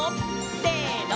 せの！